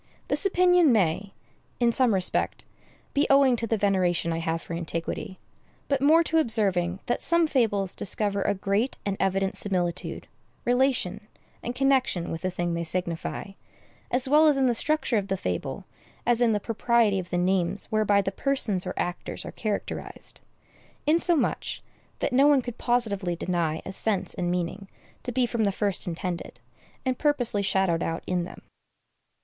This opinion may, in some respect, be owing to the veneration I have for antiquity, but more to observing that some fables discover a great and evident similitude, relation, and connection with the thing they signify, as well in the structure of the fable as in the propriety of the names whereby the persons or actors are characterized; insomuch, that no one could positively deny a sense and meaning to be from the first intended, and purposely shadowed out in them.